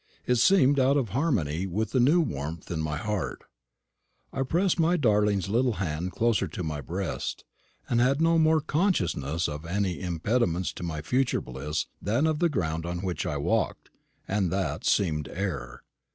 It seemed out of harmony with the new warmth in my heart. I pressed my darling's little hand closer to my breast, and had no more consciousness of any impediments to my future bliss than of the ground on which I walked and that seemed air.